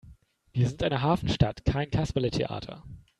Wir sind eine Hafenstadt, kein Kasperletheater!